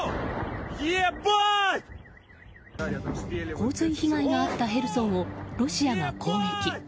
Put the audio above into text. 洪水被害があったヘルソンをロシアが攻撃。